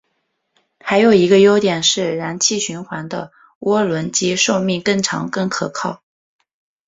还有一个优点是燃气循环的涡轮机寿命更长更可靠。